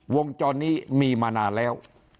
วงจรนี้มีมานานแล้ว